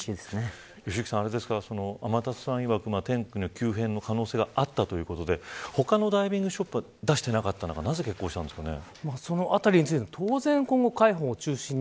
良幸さん、天達さんいわく天気の急変の可能性があったということで他のダイビングショップは出していなかった中なぜ決行したんですかね。